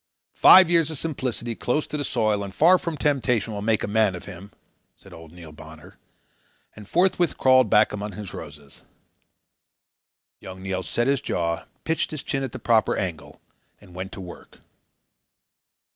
"Five years of simplicity, close to the soil and far from temptation, will make a man of him," said old Neil Bonner, and forthwith crawled back among his roses. Young Neil set his jaw, pitched his chin at the proper angle, and went to work.